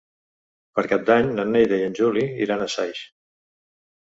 Per Cap d'Any na Neida i en Juli iran a Saix.